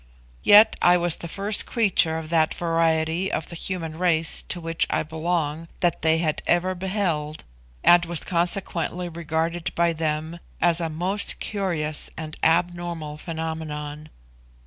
Yet I was the first creature of that variety of the human race to which I belong that they had ever beheld, and was consequently regarded by them as a most curious and abnormal phenomenon.